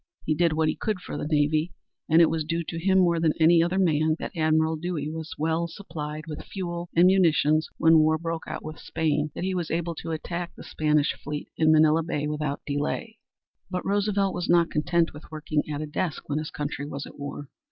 He did what he could for the navy and it was due to him, more than to any other man, that Admiral Dewey was so well supplied with fuel and munitions when war broke out with Spain that he was able to attack the Spanish fleet in Manilla Bay without delay. But Roosevelt was not content with working at a desk when his country was at war.